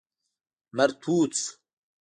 لمر تود شو.